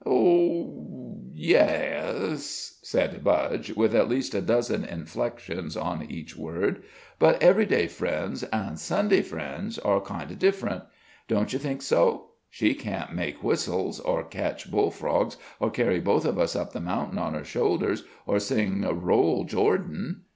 "Oh, yes," said Budge, with at least a dozen inflections on each word, "but ev'ry day friends an' Sunday friends are kind o' different; don't you think so? She can't make whistles, or catch bull frogs, or carry both of us up the mountain on her shoulders, or sing 'Roll, Jordan.'"